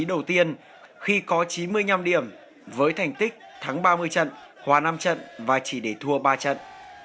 đầu tiên khi có chín mươi năm điểm với thành tích thắng ba mươi trận hòa năm trận và chỉ để thua ba trận